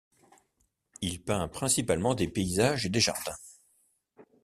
Il peint principalement des paysages et des jardins.